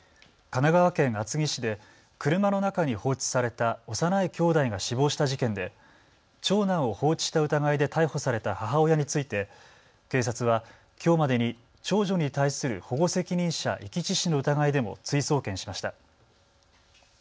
神奈川県厚木市で車の中に放置された幼いきょうだいが死亡した事件で長男を放置した疑いで逮捕された母親について警察はきょうまでに長女に対する保護責任者遺棄致死の疑いでも追送検しました。